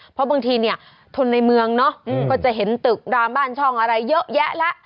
เพราะบางทีเนี่ยทนในเมืองเนาะก็จะเห็นตึกรามบ้านช่องอะไรเยอะแยะแล้ว